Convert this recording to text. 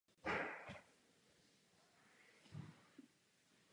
Nejprve na techniku a odtud přešel na filozofickou fakultu.